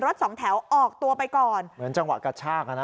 สองแถวออกตัวไปก่อนเหมือนจังหวะกระชากอ่ะนะ